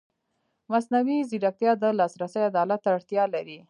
مصنوعي ځیرکتیا د لاسرسي عدالت ته اړتیا لري.